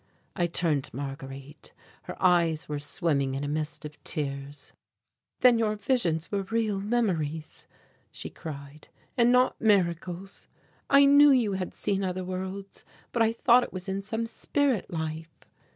I turned to Marguerite. Her eyes were swimming in a mist of tears. "Then your visions were real memories," she cried, "and not miracles. I knew you had seen other worlds, but I thought it was in some spirit life."